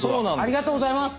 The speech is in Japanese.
ありがとうございます。